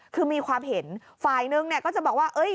คือมีความเห็นฝ่ายหนึ่งเนี่ยก็จะบอกว่า